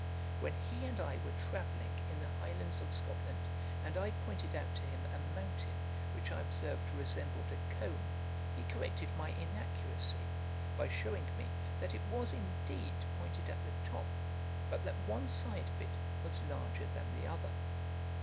When he and I were travelling in the Highlands of Scotland, and I pointed out to him a mountain which I observed resembled a cone, he corrected my inaccuracy, by shewing me, that it was indeed pointed at the top, but that one side of it was larger than the other.